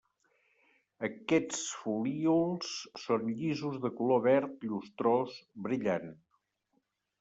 Aquests folíols són llisos de color verd llustrós, brillant.